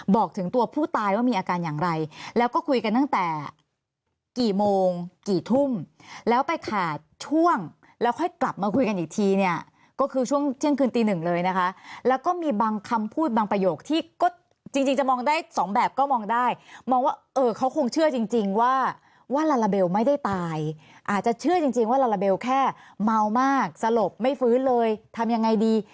บอกถึงตัวผู้ตายว่ามีอาการอย่างไรแล้วก็คุยกันตั้งแต่กี่โมงกี่ทุ่มแล้วไปขาดช่วงแล้วค่อยกลับมาคุยกันอีกทีเนี่ยก็คือช่วงเที่ยงคืนตีหนึ่งเลยนะคะแล้วก็มีบางคำพูดบางประโยคที่ก็จริงจะมองได้สองแบบก็มองได้มองว่าเออเขาคงเชื่อจริงว่าว่าลาลาเบลไม่ได้ตายอาจจะเชื่อจริงว่าลาลาเบลแค่เมามากสลบไม่ฟื้นเลยทำยังไงดี